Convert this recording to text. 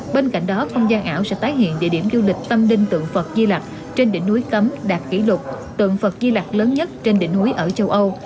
bên cạnh đó không gian ảo sẽ tái hiện địa điểm du lịch tâm đinh tượng phật di lạc trên đỉnh núi cấm đạt kỷ lục tượng phật chi lạc lớn nhất trên đỉnh núi ở châu âu